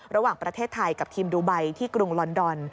ระหว่างประเทศไทยกับทีมดูไบที่กรุงลอนดอน